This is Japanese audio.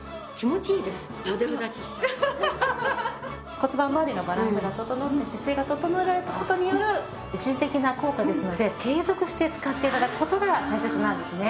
骨盤まわりのバランスが整って姿勢が整えられた事による一時的な効果ですので継続して使って頂く事が大切なんですね。